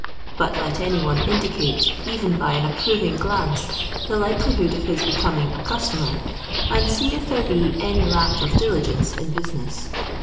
But let any one indicate, even by an ap proTing ghraoe, the likelihood of his becoming a customer, and see if there be any lack of diligence in business.